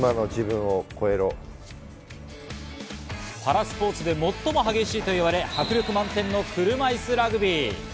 パラスポーツで最も激しいと言われ、迫力満点の車いすラグビー。